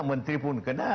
menteri pun kena